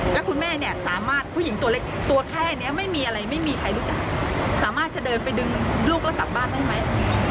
แล้วคุณแม่เนี่ยสามารถผู้หญิงตัวเล็กตัวแค่นี้ไม่มีอะไรไม่มีใครรู้จักสามารถจะเดินไปดึงลูกแล้วกลับบ้านได้ไหม